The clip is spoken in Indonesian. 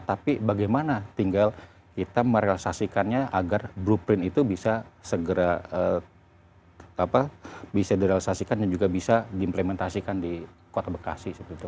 tapi bagaimana tinggal kita merealisasikannya agar blueprint itu bisa segera bisa direalisasikan dan juga bisa diimplementasikan di kota bekasi